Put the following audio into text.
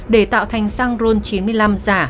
để tạo thành xăng ron chín mươi năm giả